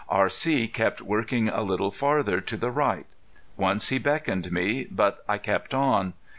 R.C. kept working a little farther to the right. Once he beckoned me, but I kept on.